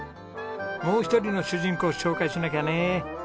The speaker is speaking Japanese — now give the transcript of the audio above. もう一人の主人公を紹介しなきゃね。